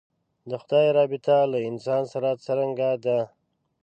د خدای رابطه له انسان سره څرنګه ده.